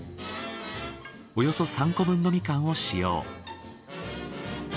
およそ３個分のみかんを使用。